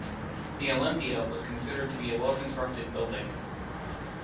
The Olympia was considered to be a well-constructed building.